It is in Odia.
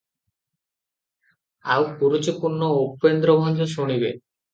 ଆଉ କୁରୁଚିପୂର୍ଣ୍ଣ ଉପେନ୍ଦ୍ରଭଞ୍ଜ ଶୁଣିବେ?